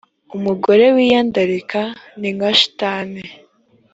umugore wiyandarika ni nka shitani